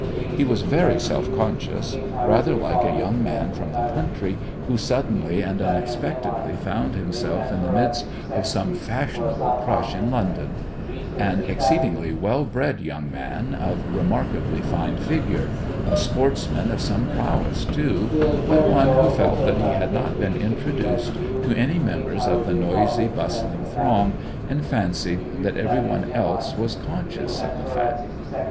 He was very self conscious; rather like a young man from the country who suddenly and unexpectedly found himself in the midst of some fashionable crush in London; an exceedingly well bred young man, of remarkably fine figure; a sportsman of some prowess, too; but one who felt that he had not been introduced to any of the members of the noisy, bustling throng, and fancied that every one else was conscious of the fact.